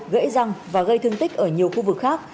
gãy răng và gây thương tích ở nhiều khu vực khác